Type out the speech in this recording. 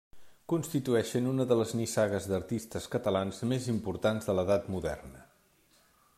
Constitueixen una de les nissagues d'artistes catalans més importants de l'edat moderna.